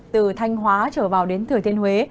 từ thanh hóa trở vào đến thừa thiên huế